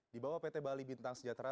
di bawah pt bali bintang sejahtera